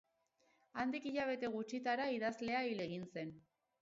Handik hilabete gutxitara idazlea hil egin zen.